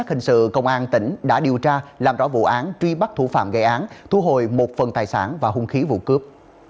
thu hồi một phần tài sản và hung khí vụ cướp